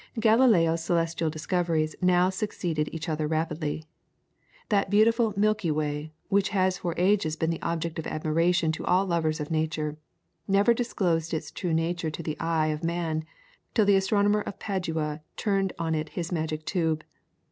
Galileo's celestial discoveries now succeeded each other rapidly. That beautiful Milky Way, which has for ages been the object of admiration to all lovers of nature, never disclosed its true nature to the eye of man till the astronomer of Padua turned on it his magic tube.